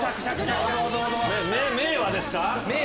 命和ですか？